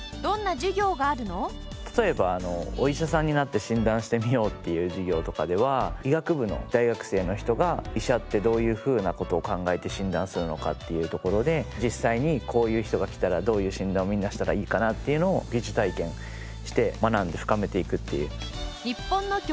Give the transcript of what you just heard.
例えばお医者さんになって診断してみようっていう授業とかでは医学部の大学生の人が医者ってどういうふうな事を考えて診断するのかっていうところで実際にこういう人が来たらどういう診断をみんなしたらいいかなっていうのを疑似体験して学んで深めていくっていう。